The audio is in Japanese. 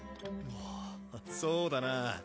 ああそうだな。